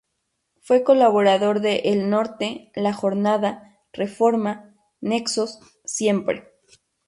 Fue colaborador de "El Norte", "La Jornada", "Reforma," "Nexos," "Siempre!